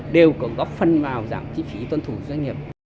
đều có góp phần vào giảm chi phí tuân thủ doanh nghiệp